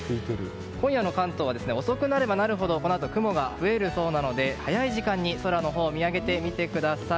今夜の関東は遅くなれば遅くなるほどこのあと雲が増えるそうなので早い時間に空を見上げてみてください。